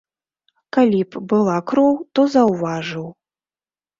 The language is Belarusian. Калі б была кроў, то заўважыў.